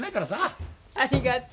ありがとう。